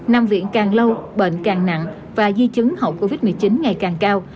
nằm viện càng lâu bệnh càng nặng và di chứng học covid một mươi chín ngày càng cao